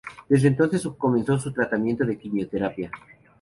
Desde entonces, comenzó su tratamiento de quimioterapia.